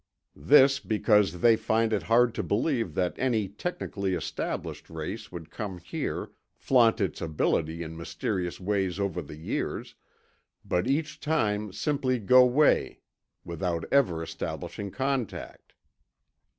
This because they find it hard to believe that any technically established race would come here, flaunt its ability in mysterious ways over the years, but each time simply go way without ever establishing contact."